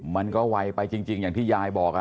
มันก็ไวไปจริงอย่างที่ยายบอก